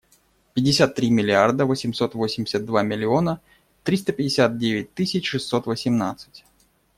Пятьдесят три миллиарда восемьсот восемьдесят два миллиона триста пятьдесят девять тысяч шестьсот восемнадцать.